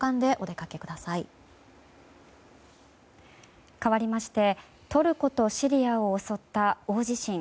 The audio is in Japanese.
かわりましてトルコとシリアを襲った大地震。